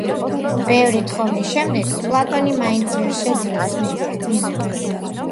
ბევრი თხოვნის შემდეგ პლატონი მაინც ვერ შეძლებს მის დარწმუნებას.